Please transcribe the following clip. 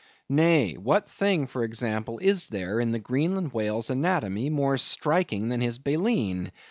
Nay; what thing, for example, is there in the Greenland whale's anatomy more striking than his baleen?